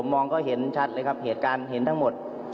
มองก็เห็นชัดเลยครับเหตุการณ์เห็นทั้งหมด